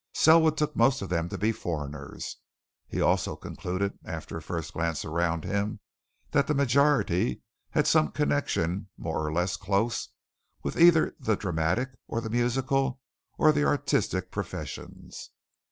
Selwood took most of them to be foreigners. He also concluded after a first glance around him that the majority had some connection, more or less close, with either the dramatic, or the musical, or the artistic professions.